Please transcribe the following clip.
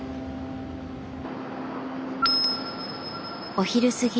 お昼過ぎ。